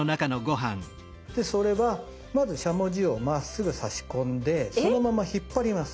それはまずしゃもじをまっすぐ差し込んでそのまま引っ張ります。